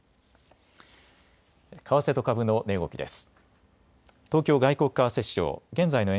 為替と株の値動きです。